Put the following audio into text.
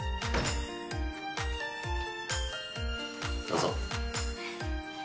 どうぞ。